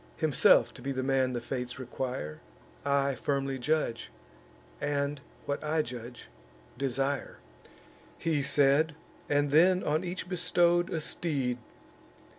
Himself to be the man the fates require, I firmly judge, and, what I judge, desire." He said, and then on each bestow'd a steed.